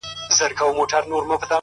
• ما مي د شمعي له ګرېوان سره نصیب تړلی ,